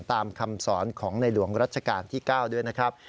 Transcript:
ตามคำสอนของในหลวงรัชกาลที่๙ด้วยนะครับ